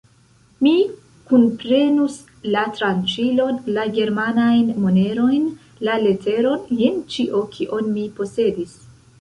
Mi kunprenus: la tranĉilon, la germanajn monerojn, la leteron, jen ĉio, kion mi posedis.